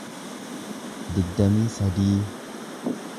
digdamii sadii